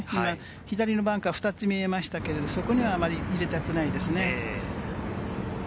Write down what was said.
左にバンカーが２つ見えましたけれど、そこにはあまり入れたくないですね。